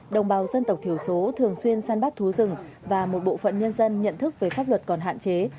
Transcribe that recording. đồng bào dân tộc thiểu số thường xuyên săn bắt thú rừng và một bộ phận nhân dân nhận thức về pháp luật còn hạn chế